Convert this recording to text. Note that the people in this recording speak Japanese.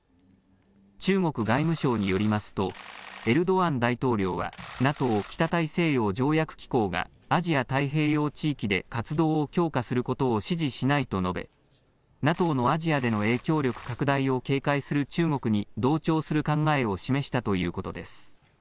中国外務省によりますとエルドアン大統領はＮＡＴＯ、北大西洋条約機構がアジア太平洋地域で活動を強化することを支持しないと述べＮＡＴＯのアジアでの影響力拡大を警戒する中国に同調する考えを示したということです。